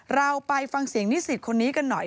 เราไปฟังเสียงนิสิตคนนี้กันหน่อย